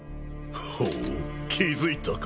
ほう気付いたか。